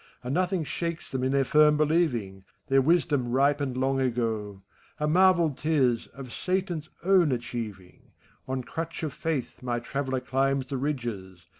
And nothing shakes them in their firm believing : Their wisdom ripened long ago, — A marvel *t is, of Satan's own achieving. On crutch of faith my traveller climbs the ridges.